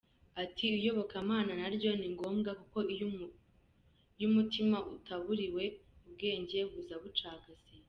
Ati “Iyobokamana naryo ni ngombwa kuko iyo umutima utagaburiwe…ubwenge buza bucagase”.